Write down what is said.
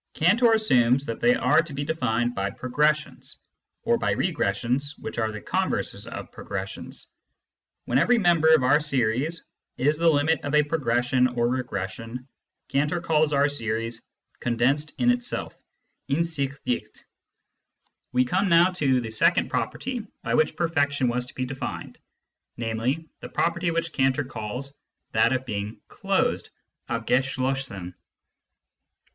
Cantor assumes that they are to be defined by progressions, or by regressions (which are the converses of progressions). When every member of our series is the limit of a progression or regres sion, Cantor calls our series " condensed in itself " (insichdicht). Limits and Continuity 103 We come now to the second property by which perfection was to be defined, namely, the property which Cantor calls that of being " closed " {abgeschlossen).